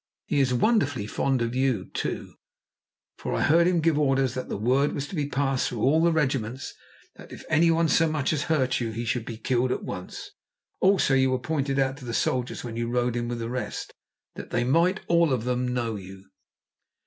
He is wonderfully fond of you, too, for I heard him give orders that the word was to be passed through all the regiments that if anyone so much as hurt you, he should be killed at once. Also, you were pointed out to the soldiers when you rode in with the rest, that they might all of them know you."